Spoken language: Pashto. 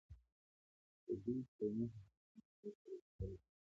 د دوی قومي حسادت واک ته رسېدل غواړي.